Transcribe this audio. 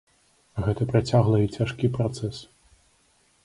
Гэта працяглы і цяжкі працэс.